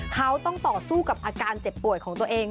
เขาต้องต่อสู้กับอาการเจ็บป่วยของตัวเอง